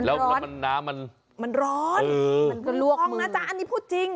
มาเร็วมันน้ำมันมันรอดอือมันก็ลวกมันท้องนะจ้ะอันนี้พูดจริง